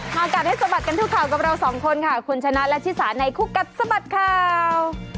มากัดให้สะบัดกันทุกข่าวกับเราสองคนค่ะคุณชนะและชิสาในคู่กัดสะบัดข่าว